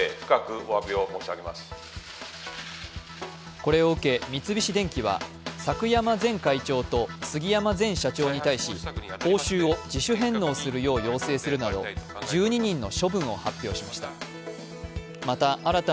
これを受け三菱電機は柵山前会長と杉山前社長に対し報酬を自主返納するよう要請するなど１２人の処分を発表しました。